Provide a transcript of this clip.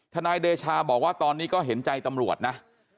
นายเดชาบอกว่าตอนนี้ก็เห็นใจตำรวจนะ